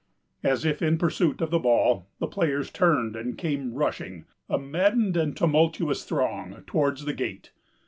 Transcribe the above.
As if in pursuit of the ball, the players turned and came rushing, a maddened and tumultuous throng, towards the gate.